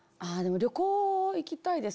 旅行行きたいです。